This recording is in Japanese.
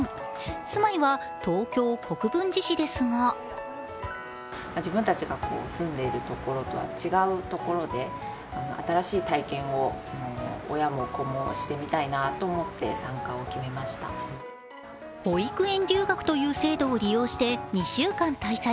住まいは東京・国分寺市ですが保育園留学という制度を利用して２週間滞在。